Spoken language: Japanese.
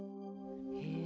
へえ。